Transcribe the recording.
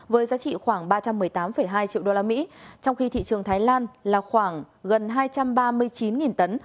với giá trị khoảng ba trăm một mươi tám hai triệu usd trong khi thị trường thái lan là khoảng gần hai trăm ba mươi chín tấn